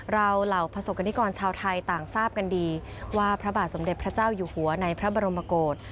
เหล่าประสบกรณิกรชาวไทยต่างทราบกันดีว่าพระบาทสมเด็จพระเจ้าอยู่หัวในพระบรมโกศ